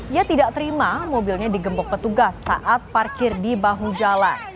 ia tidak terima mobilnya digembok petugas saat parkir di bahu jalan